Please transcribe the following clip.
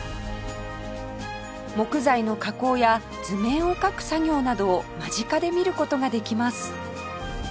木材の加工や図面を描く作業などを間近で見る事ができます